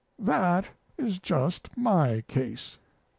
That is just my case.